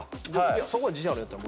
そこは自信あるんやったら。